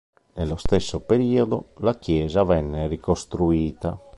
Nello stesso periodo la chiesa venne ricostruita.